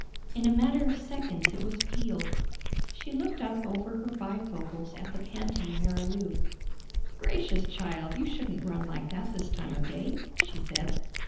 In a matter of seconds it was peeled. She looked up over her bifocals at the panting Marilou. "Gracious, child, you shouldn't run like that this time of day," she said.